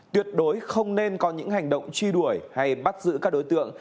tuyệt đối không nên có những hành động truy đuổi hay bắt giữ các đối tượng